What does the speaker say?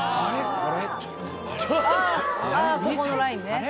ここのラインね。